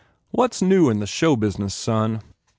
"What s new in the show business, son?"